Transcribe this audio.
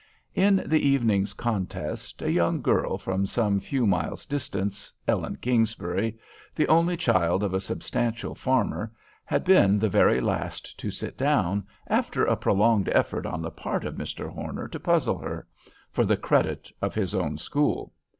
In the evening's contest a young girl from some few miles' distance, Ellen Kingsbury, the only child of a substantial farmer, had been the very last to sit down, after a prolonged effort on the part of Mr. Horner to puzzle her, for the credit of his own school.